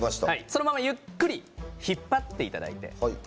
そのまま、ゆっくり引っ張っていただいて。